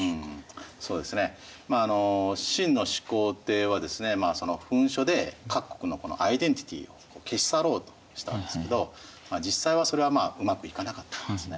そうですねまあ秦の始皇帝はですね焚書で各国のアイデンティティを消し去ろうとしたんですけど実際はそれはうまくいかなかったわけですね。